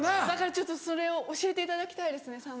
だからそれを教えていただきたいですね